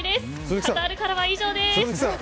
カタールからは以上です。